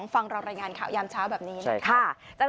ฟังเรารายงานข่าวยามเช้าแบบนี้นะคะ